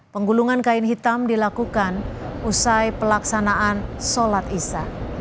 penggulungan kain hitam dilakukan usai pelaksanaan sholat isya